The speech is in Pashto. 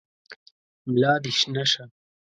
ملا دي شنه شه !